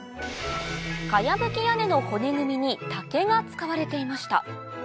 茅葺き屋根の骨組みに竹が使われていました